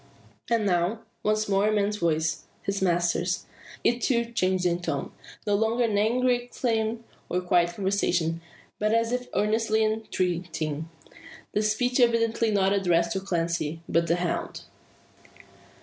And now, once more a man's voice, his master's. It too changed in tone. No longer in angry exclaim, or quiet conversation, but as if earnestly entreating; the speech evidently not addressed to Clancy, but the hound.